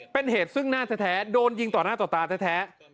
เป็นเหตุซึ่งหน้าแท้โดนยิงต่อหน้าต่อตาแท้